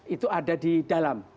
itu ada di dalam